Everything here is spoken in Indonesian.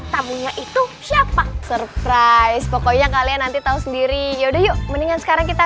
tamunya itu siapa surprise pokoknya kalian nanti tahu sendiri yaudah yuk mendingan sekarang kita